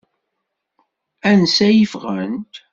Ansa i ffɣent?